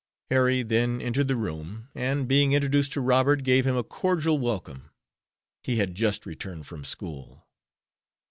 Harry then entered the room, and, being introduced to Robert, gave him a cordial welcome. He had just returned from school.